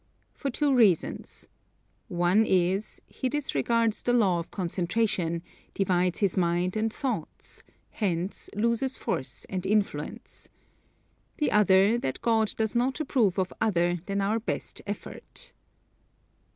For two reasons: One is, he disregards the law of concentration, divides his mind and thoughts; hence, loses force and influence. The other, that God does not approve of other than our best effort.